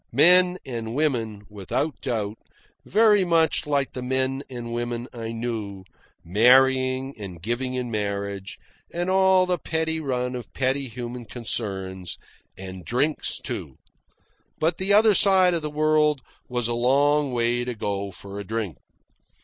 Men and women, without doubt, very much like the men and women I knew; marrying and giving in marriage and all the petty run of petty human concerns; and drinks, too. But the other side of the world was a long way to go for a drink.